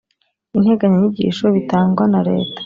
integanyanyigisho bitangwa na Leta